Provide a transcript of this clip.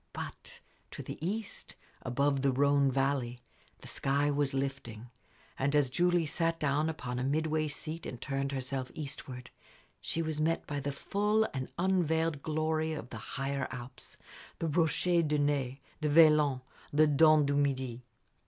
But to the east, above the Rhône valley, the sky was lifting; and as Julie sat down upon a midway seat and turned herself eastward, she was met by the full and unveiled glory of the higher Alps the Rochers de Naye, the Velan, the Dent du Midi.